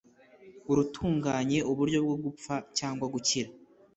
urutunganye uburyo bwo gupfa cyangwa gukira